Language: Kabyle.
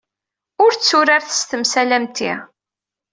Ur tturaret s temsal am ti.